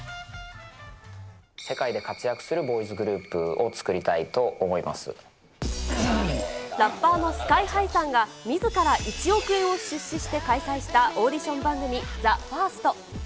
世界で活躍するボーイズグルラッパーのスカイハイさんが、みずから１億円を出資して開催したオーディション番組、ＴＨＥＦＩＲＳＴ。